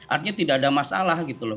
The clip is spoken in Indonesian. artinya tidak ada masalah gitu loh